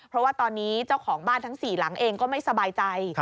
เพราะว่าตอนนี้เจ้าของบ้านทั้ง๔หลังเองก็ไม่สบายใจ